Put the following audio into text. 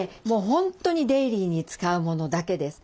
本当にデイリーに使うものだけです。